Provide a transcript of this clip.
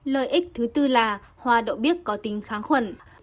lợi ích thứ tư là hòa đậu biếc có tính kháng khuẩn